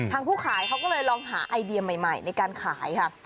ทางผู้ขายเขาก็เลยหาไอเดียใหม่ในการขายครับ